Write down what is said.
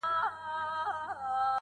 • تر پرون مي يوه کمه ده راوړې.